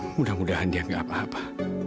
mudah mudahan dia gak apa apa